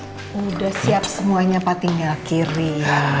sudah siap semuanya pak tinggal kiri